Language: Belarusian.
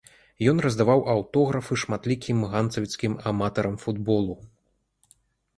Ён раздаваў аўтографы шматлікім ганцавіцкім аматарам футболу.